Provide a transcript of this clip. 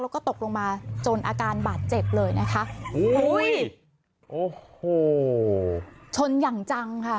แล้วก็ตกลงมาจนอาการบาดเจ็บเลยนะคะอุ้ยโอ้โหชนอย่างจังค่ะ